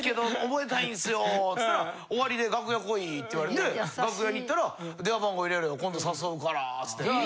つったら「終わりで楽屋来い」って言われて楽屋に行ったら「電話番号入れろよ今度誘うから」つって。